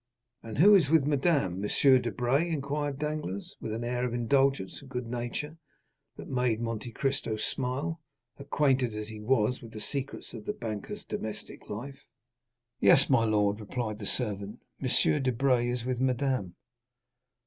"And who is with madame?—M. Debray?" inquired Danglars, with an air of indulgence and good nature that made Monte Cristo smile, acquainted as he was with the secrets of the banker's domestic life. "Yes, my lord," replied the servant, "M. Debray is with madame."